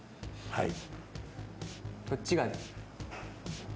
はい。